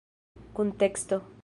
kunteksto